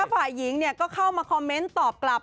ฝ่ายหญิงก็เข้ามาคอมเมนต์ตอบกลับ